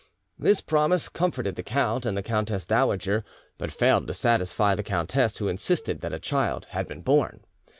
This promise comforted the count and the countess dowager, but failed to satisfy the countess, who insisted that a child had been born.